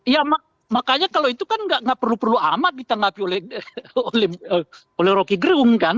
ya makanya kalau itu kan nggak perlu perlu amat ditanggapi oleh rocky gerung kan